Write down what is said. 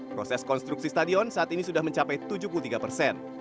proses konstruksi stadion saat ini sudah mencapai tujuh puluh tiga persen